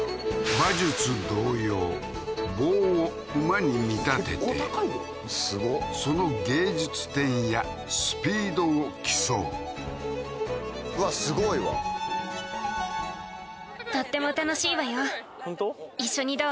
馬術同様棒を馬に見立てて結構高いですごっその芸術点やスピードを競ううわすごいわ本当？